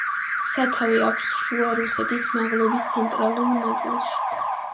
სათავე აქვს შუა რუსეთის მაღლობის ცენტრალურ ნაწილში.